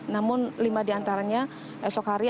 namun lima di antaranya esok hari